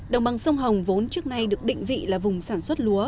đồng bằng sông hồng vốn trước nay được định vị là vùng sản xuất lúa